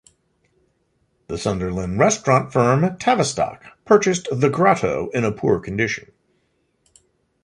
The Sunderland restaurant firm, Tavistock, purchased The Grotto in a poor condition.